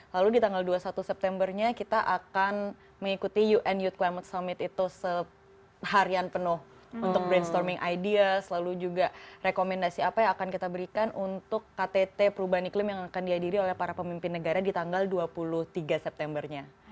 lalu di tanggal dua puluh satu septembernya kita akan mengikuti un yout climate summit itu seharian penuh untuk brainstorming ideas lalu juga rekomendasi apa yang akan kita berikan untuk ktt perubahan iklim yang akan dihadiri oleh para pemimpin negara di tanggal dua puluh tiga septembernya